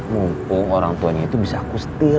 mumpung orang tuanya itu bisa aku setir